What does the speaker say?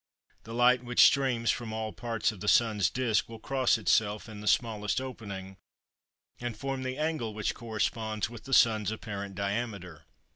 The light which streams from all parts of the sun's disk, will cross itself in the smallest opening, and form the angle which corresponds with the sun's apparent diameter.